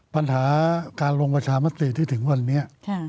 ปัญหาการลงประชามติที่ถึงวันนี้